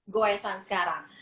gue esan sekarang